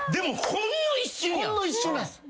ほんの一瞬です。